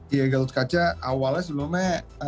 ya gatot kaca awalnya sebelumnya